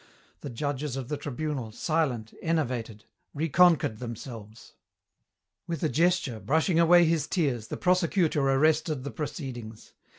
The judges of the Tribunal, silent, enervated, reconquered themselves. With a gesture, brushing away his tears, the Prosecutor arrested the proceedings.